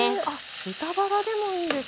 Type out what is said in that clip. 豚バラでもいいんですね。